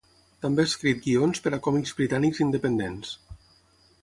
També ha escrit guions per a còmics britànics independents.